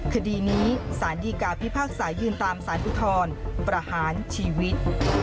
คดีนี้สารดีกาพิพากษายืนตามสารอุทธรประหารชีวิต